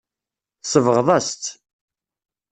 Tsebɣeḍ-as-tt.